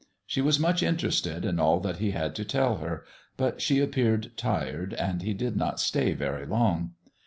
She was much interested in all that he had to tell her, but she appeared tired, and he did not stay very long.